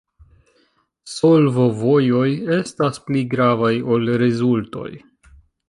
Solvovojoj estas pli gravaj ol rezultoj.